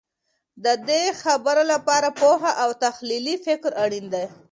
د دې خبر لپاره پوهه او تحلیلي فکر اړین دی.